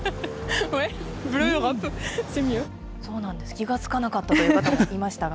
気が付かなかったという方もいましたが。